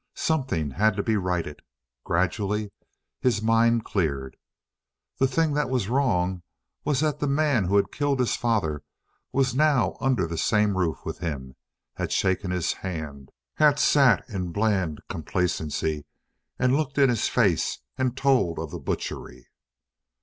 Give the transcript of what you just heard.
Something had to be righted. Gradually his mind cleared. The thing that was wrong was that the man who had killed his father was now under the same roof with him, had shaken his hand, had sat in bland complacency and looked in his face and told of the butchery.